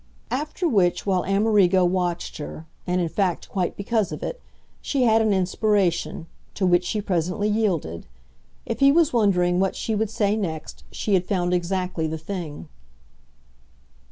After which while Amerigo watched her, and in fact quite because of it, she had an inspiration, to which she presently yielded. If he was wondering what she would say next she had found exactly the thing.